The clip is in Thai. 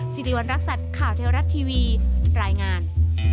สิริวัณรักษัตริย์ข่าวเทวรัฐทีวีรายงาน